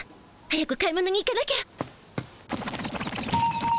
早く買い物に行かなきゃ。